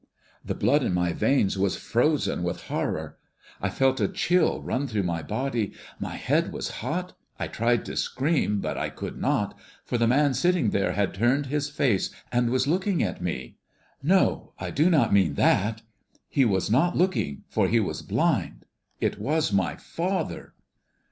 "The blood in my veins was frozen with horror. I felt a chill run through my body; my head was hot; I tried to scream, but I could not, for the man sitting there had turned his face and was looking at me. No; I do not mean that; he was not looking, for he was blind. It was my father!"